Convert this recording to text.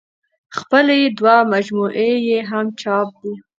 خپلې دوه مجموعې يې هم چاپ دي